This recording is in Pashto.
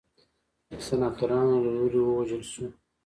د سناتورانو له لوري ووژل شو.